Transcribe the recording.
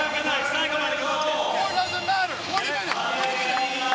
最後まで！